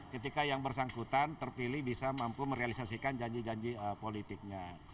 ketika yang bersangkutan terpilih bisa mampu merealisasikan janji janji politiknya